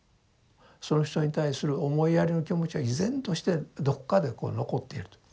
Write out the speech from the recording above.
その人に対する思いやりの気持ちは依然としてどこかでこう残っていると。